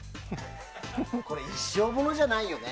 これは一生モノじゃないよね。